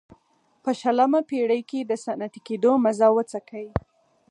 په شلمه پېړۍ کې د صنعتي کېدو مزه وڅکي.